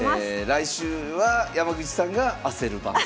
来週は山口さんが焦る番と。